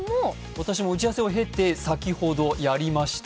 私も打ち合わせを経て、先ほどやりました。